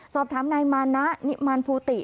สอบถามนายมานะนิมานภูติ